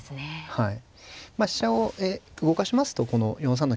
はい。